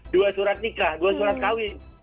dua surat nikah dua surat kawin